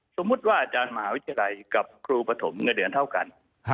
สมมุติว่าอาจารย์มหาวิทยาลัยกับครูปฐมเงินเดือนเท่ากัน